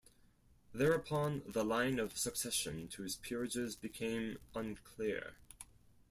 Thereupon the line of succession to his peerages became unclear.